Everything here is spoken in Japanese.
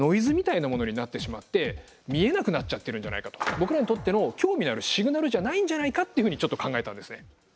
まさにそうやって僕らにとっての興味のあるシグナルじゃないんじゃないかっていうふうにちょっと考えたんですね。